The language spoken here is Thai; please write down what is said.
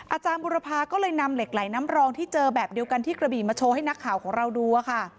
อาจารย์บุรพาก็เลยนำเหล็กไหลน้ำรองที่เจอแบบเดียวกันที่กระบี่มาโชว์ให้นักข่าวของเราดูค่ะ